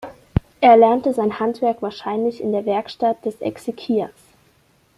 Er lernte sein Handwerk wahrscheinlich in der Werkstatt des Exekias.